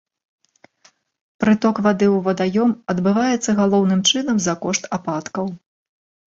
Прыток вады ў вадаём адбываецца, галоўным чынам, за кошт ападкаў.